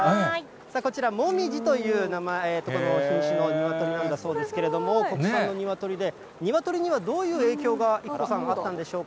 こちら、もみじという品種のニワトリなんだそうですけれども、国産のニワトリで、ニワトリにはどういう影響が、育子さん、あったんでしょ